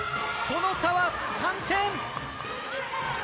その差は３点。